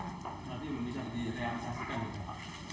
nanti bisa direalisasikan